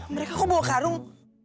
mereka kok bawa karung